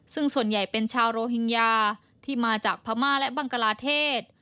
ซึ่งส่วนใหญ่เป็นชาวโรฮิงญาที่มาจากพม่าและบังกลาเทศ